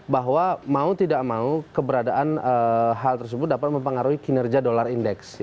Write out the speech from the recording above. bahwa mau tidak mau keberadaan hal tersebut dapat mempengaruhi kinerja dolar indeks